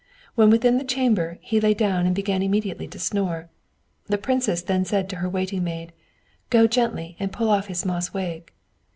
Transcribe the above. When within the chamber, he lay down and began immediately to snore. The princess then said to her waiting maid, "Go gently and pull off his moss wig."